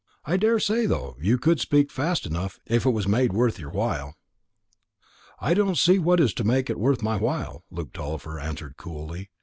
I daresay, though, you could speak fast enough, if it was made worth your while." "I don't see what is to make it worth my while," Luke Tulliver answered coolly.